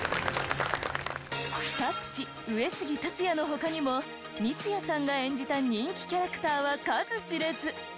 『タッチ』上杉達也の他にも三ツ矢さんが演じた人気キャラクターは数知れず。